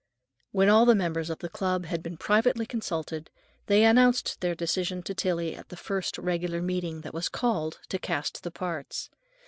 When all the members of the club had been privately consulted, they announced their decision to Tillie at the first regular meeting that was called to cast the parts.